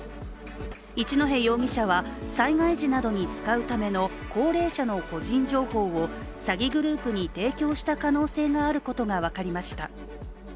一戸容疑者は災害時などに使うための高齢者の個人情報を詐欺グループに提供した可能性があることが分かりました。